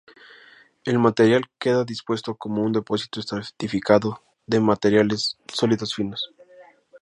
El material queda dispuesto como un depósito estratificado de materiales sólidos finos.